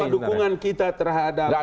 bawa dukungan kita terhadap